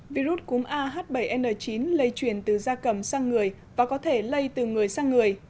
virus cúm a h bảy n chín lây chuyển từ da cầm sang người và có thể lây từ người sang người